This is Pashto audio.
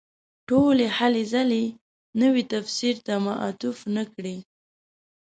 ټولې هلې ځلې نوي تفسیر ته معطوف نه کړي.